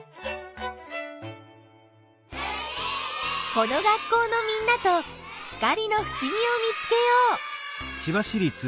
この学校のみんなと光のふしぎを見つけよう！